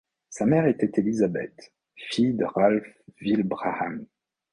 Sa mère était Elisabeth, fille de Ralph Wilbraham.